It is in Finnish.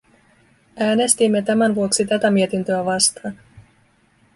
Äänestimme tämän vuoksi tätä mietintöä vastaan.